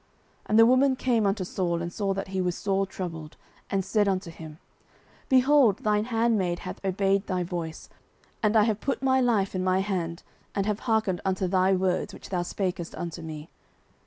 09:028:021 And the woman came unto Saul, and saw that he was sore troubled, and said unto him, Behold, thine handmaid hath obeyed thy voice, and I have put my life in my hand, and have hearkened unto thy words which thou spakest unto me.